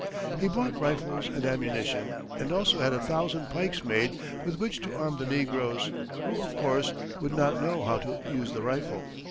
He bought rifles and ammunition, and also had a thousand pikes made with which to arm the negroes, who, of course, would not know how to use the rifle.